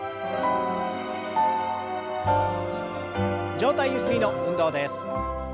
上体ゆすりの運動です。